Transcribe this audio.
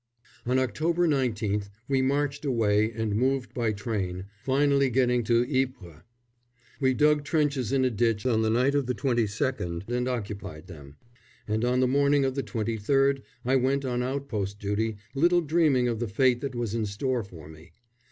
On October 19th we marched away and moved by train, finally getting to Ypres. We dug trenches in a ditch on the night of the 22nd and occupied them, and on the morning of the 23rd I went on outpost duty, little dreaming of the fate that was in store for me.